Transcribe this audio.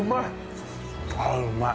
うまい！